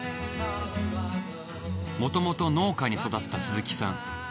もともと農家に育った鈴木さん。